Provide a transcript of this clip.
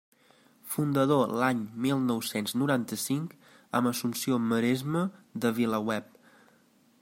Fundador l'any mil nou-cents noranta-cinc, amb Assumpció Maresma, de VilaWeb.